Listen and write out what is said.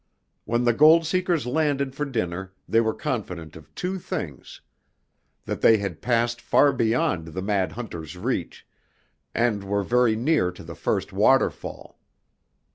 When the gold seekers landed for dinner they were confident of two things: that they had passed far beyond the mad hunter's reach, and were very near to the first waterfall.